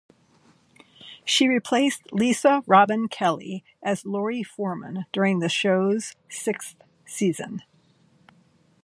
She replaced Lisa Robin Kelly as Laurie Forman during the show's sixth season.